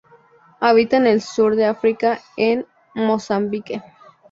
Habita en el sur de África en Mozambique.